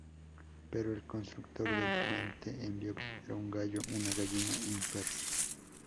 Pero el constructor del puente envió primero un gallo, una gallina y un perro.